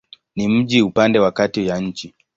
Ni mji upande wa kati ya nchi.